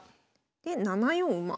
で７四馬。